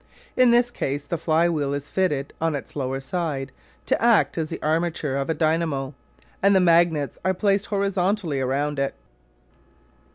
In this case the fly wheel is fitted, on its lower side, to act as the armature of a dynamo, and the magnets are placed horizontally around it.